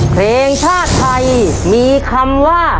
เพลงชาติไทยมีคำว่า